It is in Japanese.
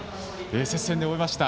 接戦で終えました。